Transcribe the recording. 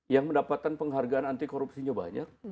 yang mendapatkan penghargaan anti korupsinya banyak